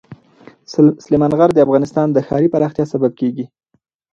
سلیمان غر د افغانستان د ښاري پراختیا سبب کېږي.